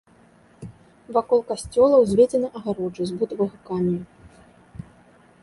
Вакол касцёла ўзведзена агароджа з бутавага каменю.